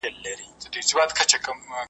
ادب، کلتور او ټولنیز شعور